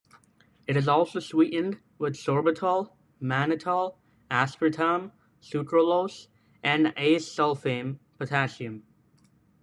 It is also sweetened with sorbitol, Mannitol, Aspartame, Sucralose and Acesulfame potassium.